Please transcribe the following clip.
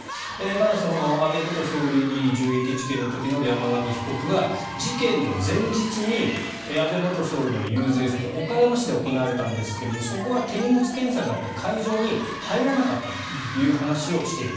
ただ、安倍元総理銃撃事件の時の山上被告は事件の前日に安倍元総理の遊説先岡山市で行われたんですがそこは手荷物検査があって会場に入らなかったという話をしている。